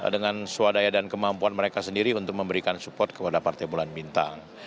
dengan swadaya dan kemampuan mereka sendiri untuk memberikan support kepada partai bulan bintang